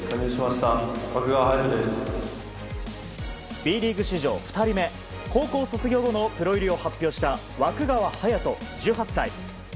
Ｂリーグ史上２人目高校卒業後のプロ入りを発表した湧川颯斗、１８歳。